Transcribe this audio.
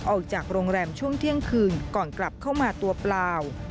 ออกจากโรงแรมช่วงเที่ยงคืนก่อนกลับเข้ามาตัวเปล่า